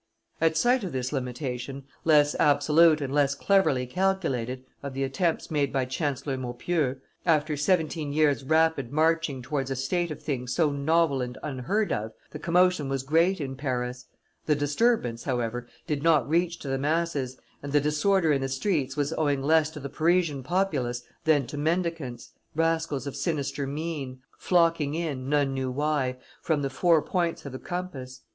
At sight of this limitation, less absolute and less cleverly calculated, of the attempts made by Chancellor Maupeou, after seventeen years' rapid marching towards a state of things so novel and unheard of, the commotion was great in Paris; the disturbance, however, did not reach to the masses, and the disorder in the streets was owing less to the Parisian populace than to mendicants, rascals of sinister mien, flocking in, none knew why, from the four points of the compass.